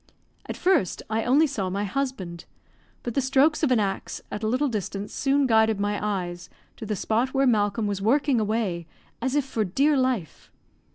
At first I only saw my husband, but the strokes of an axe at a little distance soon guided my eyes to the spot where Malcolm was working away, as if for dear life.